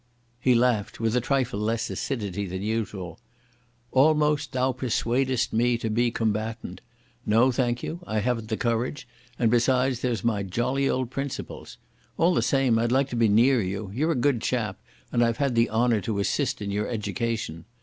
He laughed with a trifle less acidity than usual. "Almost thou persuadest me to be combatant. No, thank you. I haven't the courage, and besides there's my jolly old principles. All the same I'd like to be near you. You're a good chap, and I've had the honour to assist in your education....